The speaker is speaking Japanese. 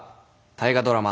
大河ドラマ